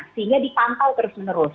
sehingga dipantau terus menerus